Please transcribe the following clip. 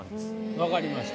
わかりました。